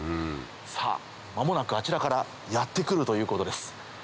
さぁ間もなくあちらからやって来るということです。